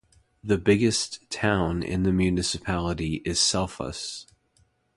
The biggest town in the municipality is Selfoss.